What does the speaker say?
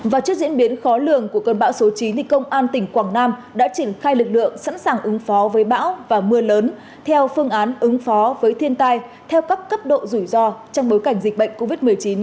và trước diễn biến khó lường của cơn bão số chín công an tỉnh quảng nam đã triển khai lực lượng sẵn sàng ứng phó với bão và mưa lớn theo phương án ứng phó với thiên tai theo các cấp độ rủi ro trong bối cảnh dịch bệnh covid một mươi chín